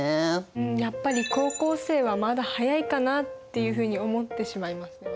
やっぱり高校生はまだ早いかなっていうふうに思ってしまいますね